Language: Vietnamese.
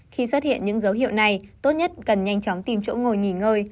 khi xuất hiện những dấu hiệu này tốt nhất cần nhanh chóng tìm chỗ ngồi nghỉ ngơi